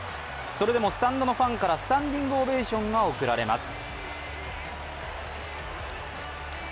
それでもスタンドのファンからスタンディングオベーションが送られます。